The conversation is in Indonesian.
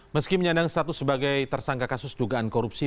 meski menyandang status sebagai tersangka kasus dugaan korupsi